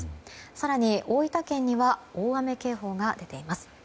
更に大分県には大雨警報が出ています。